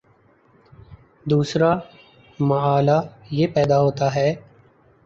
دوسرا مألہ یہ پیدا ہوتا ہے